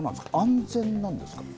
安全なんですか？